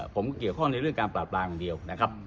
ผมก็เกี่ยวข้องในเรื่องการปราบรามอย่างเดียวนะครับ